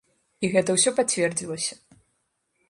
І гэта ўсё пацвердзілася.